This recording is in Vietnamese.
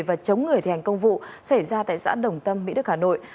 và chống người thi hành công vụ xảy ra tại xã đồng tâm mỹ đức hà nội